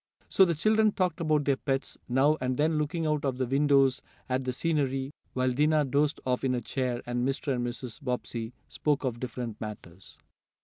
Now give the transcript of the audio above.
So the children talked about their pets, now and then looking out of the windows at the scenery, while Dinah dozed off in her chair, and Mr. and Mrs. Bobbsey spoke of different matters.